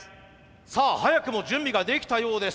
さあ早くも準備ができたようです。